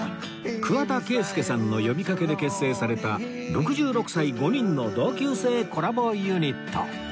桑田佳祐さんの呼びかけで結成された６６歳５人の同級生コラボユニット